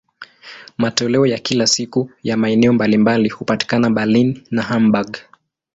Matoleo ya kila siku ya maeneo mbalimbali hupatikana Berlin na Hamburg.